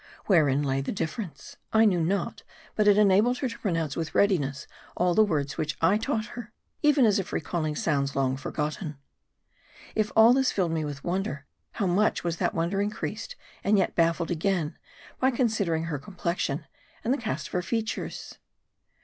Wherein lay the difference, I knew not ; but it enabled her to ^pronounce with readiness all the words which I taught her ; even as if recalling sounds long forgotten. If all this filled me with wonder, how much was that wonder increased, and yet baffled again, by considering her complexion, and the cast of her features.